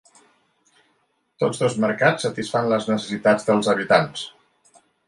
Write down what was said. Tots dos mercats satisfan les necessitats dels habitants.